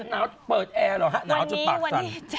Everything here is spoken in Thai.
อยากเปิดแอร์หรือจะหนาวจนปากสั่ง